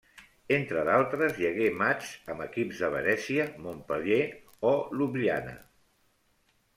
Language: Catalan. Entre d'altres hi hagué matxs amb equips de Venècia, Montpeller, o Ljubljana.